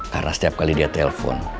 karena setiap kali dia telepon